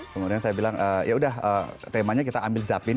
kemudian saya bilang yaudah temanya kita ambil zapin